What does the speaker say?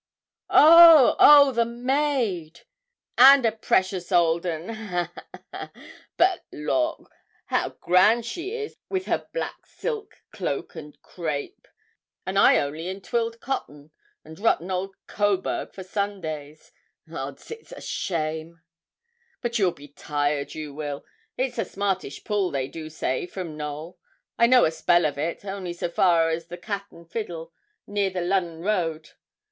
'Oh, oh, the maid! and a precious old 'un ha, ha, ha! But lawk! how grand she is, with her black silk, cloak and crape, and I only in twilled cotton, and rotten old Coburg for Sundays. Odds! it's a shame; but you'll be tired, you will. It's a smartish pull, they do say, from Knowl. I know a spell of it, only so far as the "Cat and Fiddle," near the Lunnon road.